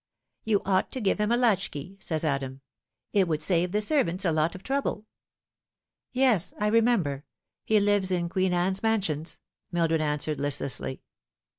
' You ought to give him a latchkey,' says Adam ;' it would save the servants a lot of trouble.'". " Yes, I remember ; he lives in Queen Anne's Mansions," Mildred answered listlessly.